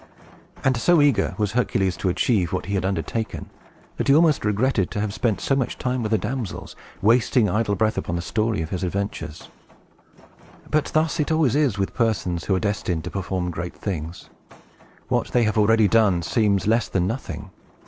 And so eager was Hercules to achieve what he had undertaken, that he almost regretted to have spent so much time with the damsels, wasting idle breath upon the story of his adventures. But thus it always is with persons who are destined to perform great things. What they have already done seems less than nothing.